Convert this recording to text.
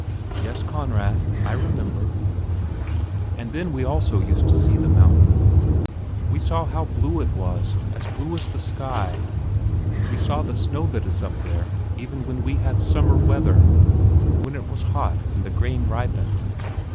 "Yes, Conrad, I remember." "And then we also used to see the mountain. We saw how blue it was, as blue as the sky, we saw the snow that is up there even when we had summer weather, when it was hot and the grain ripened."